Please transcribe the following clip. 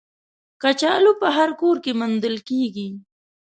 کچالو په هر کور کې موندل کېږي